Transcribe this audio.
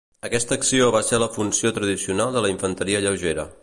Aquesta acció va ser la funció tradicional de la infanteria lleugera.